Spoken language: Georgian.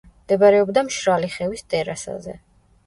მდებარეობდა მშრალი ხევის ტერასაზე.